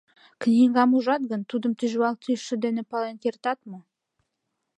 Книгам ужат гын, тудым тӱжвал тӱсшӧ дене пален кертат мо?